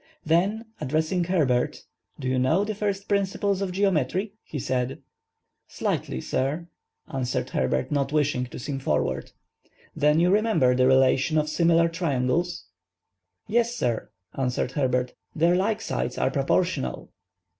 Then addressing Herbert, "Do you know the first principles of geometry?" said he. "Slightly, sir," answered Herbert, not wishing to seem forward. "Then you remember the relation of similar triangles?" "Yes, sir," answered Herbert. "Their like sides are proportional."